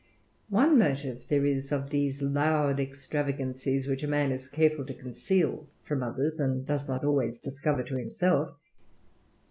One motive there is of these loud extravagancies, which THE RAMBLER. . man is careful to conceal from others, and does not always discover to himself.